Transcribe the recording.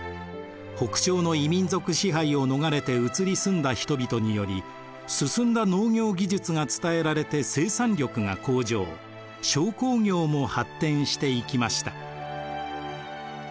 北朝の異民族支配を逃れて移り住んだ人々により進んだ農業技術が伝えられて生産力が向上商工業も発展していきました。